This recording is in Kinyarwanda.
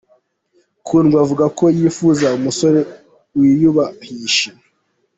Kundwa avuga ko yifuza umusore wiyubahisha.